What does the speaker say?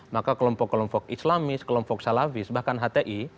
maka kelompok kelompok islamis kelompok salafis bahkan hti